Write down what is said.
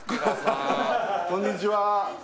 こんにちは